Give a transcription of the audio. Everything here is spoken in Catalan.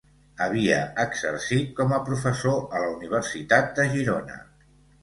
Havia exercit com a professor a la Universitat de Girona.